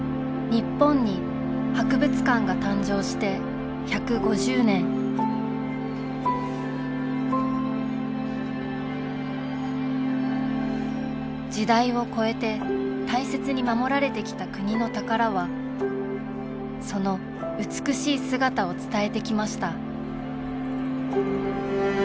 日本に博物館が誕生して１５０年時代を超えて大切に守られてきた国の宝はその美しい姿を伝えてきました